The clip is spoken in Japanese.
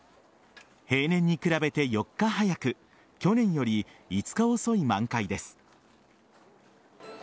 平年に比べて４日早く去年より５日遅い満開です。